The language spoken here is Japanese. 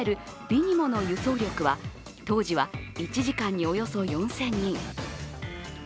リニモの輸送力は当時は１時間におよそ４０００人。